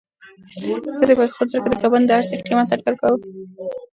ښځې په خپل زړه کې د کبابو د هر سیخ قیمت اټکل کاوه.